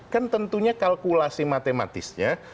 kan tentunya kalkulasi matematisnya